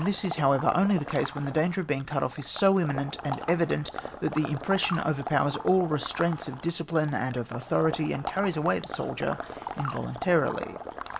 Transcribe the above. This is, however, only the case when the danger of being cut off is so imminent and evident, that the impres sion overpowers all restraints of discipline and of authority, and carries away the soldier involuntarily.